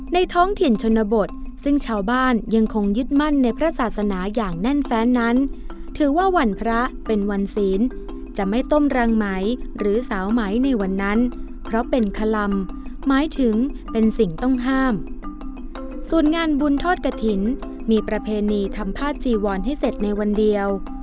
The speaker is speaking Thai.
ท้องถิ่นชนบทซึ่งชาวบ้านยังคงยึดมั่นในพระศาสนาอย่างแน่นแฟนนั้นถือว่าวันพระเป็นวันศีลจะไม่ต้มรังไหมหรือสาวไหมในวันนั้นเพราะเป็นคลำหมายถึงเป็นสิ่งต้องห้ามส่วนงานบุญทอดกระถิ่นมีประเพณีทำผ้าจีวรให้เสร็จในวันเดียว